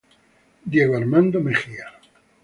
Diego Armando Mejía